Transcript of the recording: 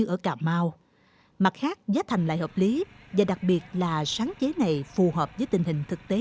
ở cà mau mặt khác giá thành lại hợp lý và đặc biệt là sáng chế này phù hợp với tình hình thực tế